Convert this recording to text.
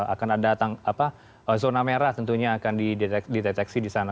akan ada zona merah tentunya akan dideteksi di sana